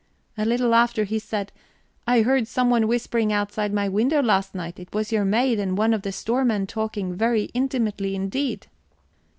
A little after he said: 'I heard someone whispering outside my window last night; it was your maid and one of the store men talking very intimately indeed.'